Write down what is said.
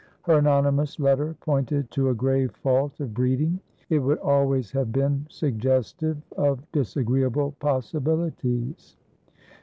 Her anonymous letter pointed to a grave fault of breeding; it would always have been suggestive of disagreeable possibilities.